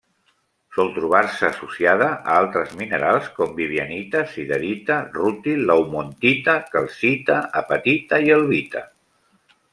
Sol trobar-se associada a altres minerals com: vivianita, siderita, rútil, laumontita, calcita, apatita i albita.